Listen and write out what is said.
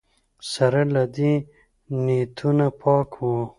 سره له دې نیتونه پاک وو